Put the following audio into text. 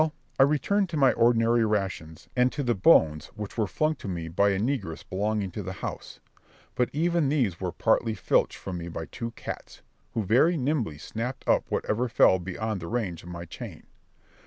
Well, I returned to my ordinary rations, and to the bones which were flung to me by a negress belonging to the house; but even these were partly filched from me by two cats, who very nimbly snapped up whatever fell beyond the range of my chain.